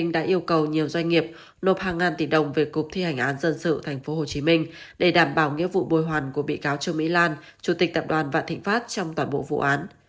đã yêu cầu nhiều doanh nghiệp nộp hàng ngàn tỷ đồng về cục thi hành án dân sự tp hcm để đảm bảo nghĩa vụ bồi hoàn của bị cáo trương mỹ lan chủ tịch tập đoàn vạn thịnh pháp trong toàn bộ vụ án